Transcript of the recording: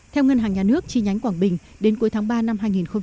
theo ngân hàng nhà nước chi nhánh quảng bình đến cuối tháng ba năm hai nghìn hai mươi